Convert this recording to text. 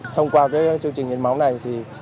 thông qua cái chương trình hiến máu này